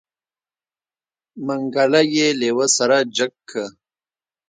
منګلی يې لېوه سره جګ که.